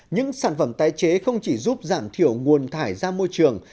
những sản phẩm tái chế không chỉ giúp giảm thiểu nguồn thải ra môi trường